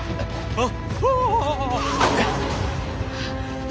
あっ！